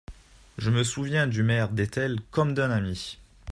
Je me souviens du maire d'Etel comme d'un ami.